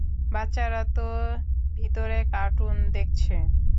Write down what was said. বাচ্চারা তো ভিতরে কার্টুন দেখছে।